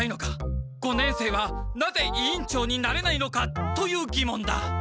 五年生はなぜ委員長になれないのかというぎもんだ。